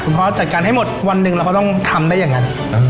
พ่อจัดการให้หมดวันหนึ่งเราก็ต้องทำได้อย่างนั้น